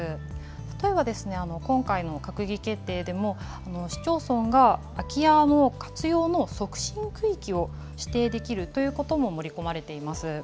例えば、今回の閣議決定でも、市町村が空き家の活用の促進区域を指定できるということも盛り込まれています。